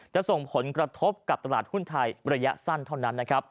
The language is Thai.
จะส่งผลกระทบกับตลาดหุ้นไทยระยะสั้นเท่านั้นนะครับ